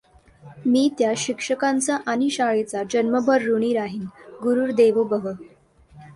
मी त्या शिक्षकांचा आणि शाळेचा जन्मभर ऋणी राहीन, गुरुर देवो भव.